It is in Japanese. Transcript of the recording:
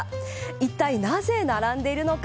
いったいなぜ並んでいるのか。